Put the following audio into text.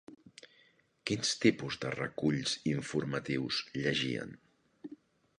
Quins tipus de reculls informatius llegien?